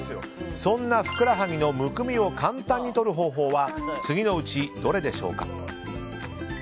そんなふくらはぎのむくみを簡単にとる方法は次のうちどれでしょうか。